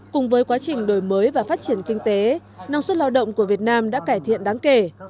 cùng với quá trình đổi mới và phát triển kinh tế năng suất lao động của việt nam đã cải thiện đáng kể